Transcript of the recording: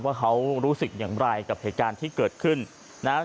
ว่าเขารู้สึกอย่างไรกับเหตุการณ์ที่เกิดขึ้นนะฮะ